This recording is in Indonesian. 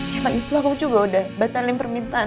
ya makanya aku juga udah batalin permintaan